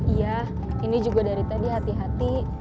iya ini juga dari tadi hati hati